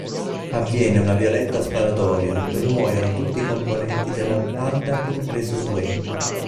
Avviene una violenta sparatoria dove muoiono tutti i componenti della banda compreso Swain.